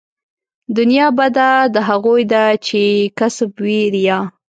دنيا بده د هغو ده چې يې کسب وي ريا